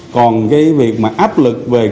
còn cái việc áp lực về